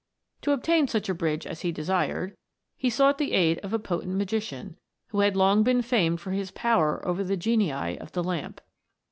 To obtain such a bridge as he desired, he sought the aid of a potent magician, who had long been famed for his power over the genii of the lamp.